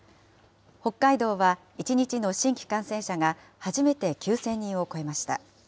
北海道は１日の新規感染者が初めて９０００人を超えました。